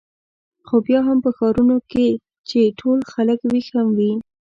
خو بیا هم په ښارونو کې چې ټول خلک وېښ هم وي.